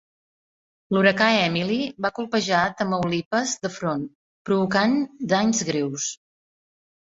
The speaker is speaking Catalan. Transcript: L'huracà Emily va colpejar Tamaulipas de front, provocant danys greus.